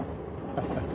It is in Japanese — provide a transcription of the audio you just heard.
ハハハ。